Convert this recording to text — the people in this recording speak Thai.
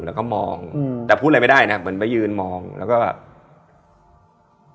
แล้วก็มองอืมแต่พูดอะไรไม่ได้นะเหมือนไปยืนมองแล้วก็แบบ